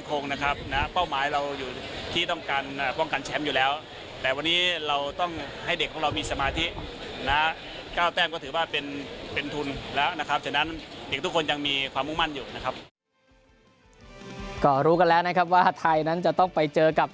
ก็รู้กันแล้วนะครับว่าไทยนั้นจะต้องไปเจอกับ